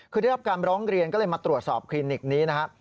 คือได้รับการร้องเรียนก็เลยมาตรวจสอบคลินิกนี้นะครับ